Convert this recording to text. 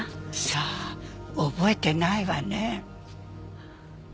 さあ覚えてないわね。